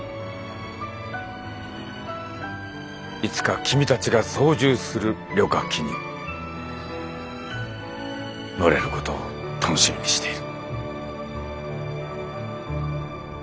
いつか君たちが操縦する旅客機に乗れることを楽しみにしている。